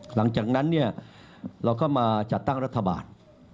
หลังจากนั้นเนี่ยเราก็มาจัดตั้งรัฐบาล